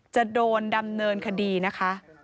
จะโดนดำเนินคดีนะคะ